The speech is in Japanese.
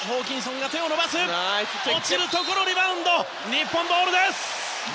日本ボールです！